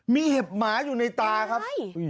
มีเห็บหมาอยู่ในตาครับ